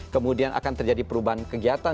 kemudian akan terjadi perubahan kegiatan